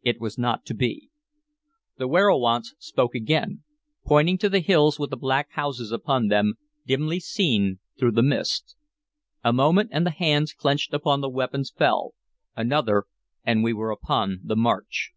It was not to be. The werowance spoke again, pointing to the hills with the black houses upon them, dimly seen through the mist. A moment, and the hands clenched upon the weapons fell; another, and we were upon the march.